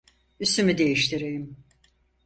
Üstümü değiştireyim.